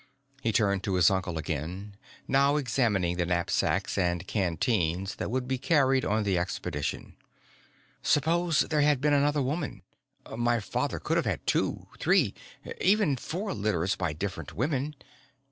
He turned to his uncle again, now examining the knapsacks and canteens that would be carried on the expedition. "Suppose there had been another woman. My father could have had two, three, even four litters by different women.